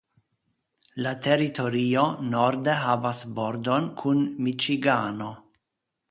La teritorio norde havas bordon kun Miĉigano.